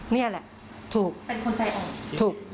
นี่แหละถูก